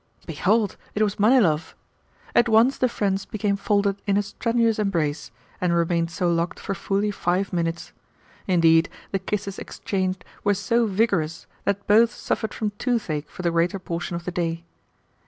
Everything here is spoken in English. Behold, it was Manilov! At once the friends became folded in a strenuous embrace, and remained so locked for fully five minutes. Indeed, the kisses exchanged were so vigorous that both suffered from toothache for the greater portion of the day.